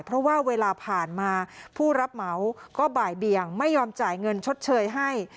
เพราะว่าเวลาผ่านมาผู้รับเหมาก็บ่ายเบียงไม่ยอมจ่ายเงินชดเชยให้